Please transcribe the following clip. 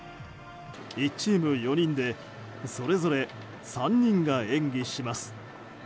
１チーム４人でそれぞれ３人が演技します。